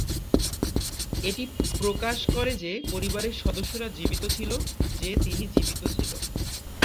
এটি প্রকাশ করে যে পরিবারের সদস্যরা জীবিত ছিল যে তিনি জীবিত ছিল।